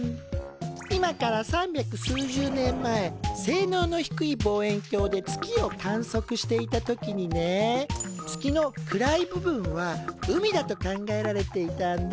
今から三百数十年前性能の低い望遠鏡で月を観測していた時にね月の暗い部分は海だと考えられていたんだ。